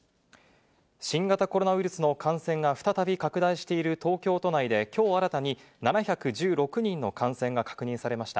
新型コロナウイルスの感染が再び拡大している東京都内で、きょう新たに７１６人の感染が確認されました。